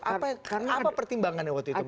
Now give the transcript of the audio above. apa pertimbangannya waktu itu